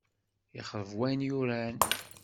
Ixṛeb wayen yuran.